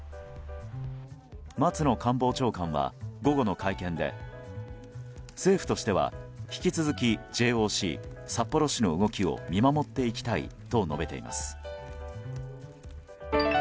松野官房長官は午後の会見で政府としては引き続きＪＯＣ、札幌市の動きを見守っていきたいと述べています。